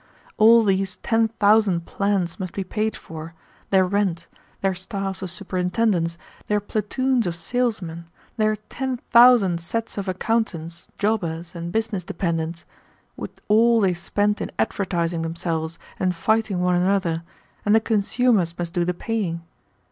All these ten thousand plants must be paid for, their rent, their staffs of superintendence, their platoons of salesmen, their ten thousand sets of accountants, jobbers, and business dependents, with all they spent in advertising themselves and fighting one another, and the consumers must do the paying.